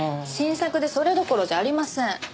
新作でそれどころじゃありません。